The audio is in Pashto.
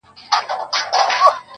• يوه ورځ بيا پوښتنه راپورته کيږي,